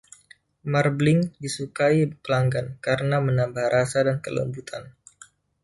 Marbling disukai pelanggan, karena menambah rasa dan kelembutan.